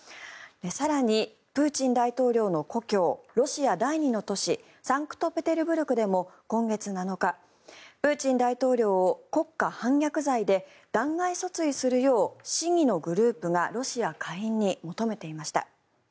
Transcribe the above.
更に、プーチン大統領の故郷ロシア第２の都市サンクトペテルブルクでも今月７日、プーチン大統領を国家反逆罪で弾劾訴追するよう市議のグループがロシア下院に求めていました。